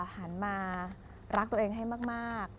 หันมารักตัวเองให้มาก